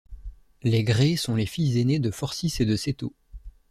Les Grées sont les filles aînées de Phorcys et de Céto.